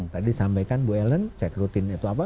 tadi sampaikan bu ellen cek rutin itu apa